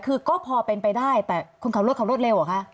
คือก็พอเป็นไปได้แต่คุณขับรถเขารวดเร็วเหรอคะ